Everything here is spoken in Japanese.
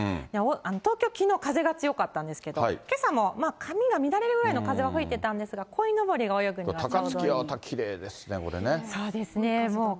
東京、きのう風が強かったんですけど、けさもまあ髪が乱れるぐらいの風は吹いてたんですが、こいのぼりが泳ぐにはちょうどいい。